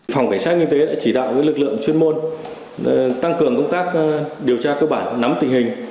phòng cảnh sát kinh tế đã chỉ đạo lực lượng chuyên môn tăng cường công tác điều tra cơ bản nắm tình hình